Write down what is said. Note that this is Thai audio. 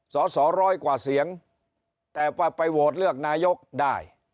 สอสอร้อยกว่าเสียงแต่ว่าไปโหวตเลือกนายกได้